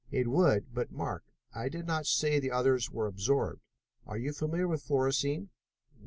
"It would, but mark, I did not say the others were absorbed. Are you familiar with fluorescein?"